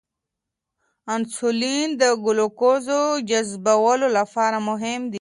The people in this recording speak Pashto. انسولین د ګلوکوز جذبولو لپاره مهم دی.